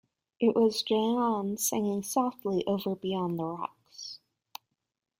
It was Jeanne singing softly over beyond the rocks.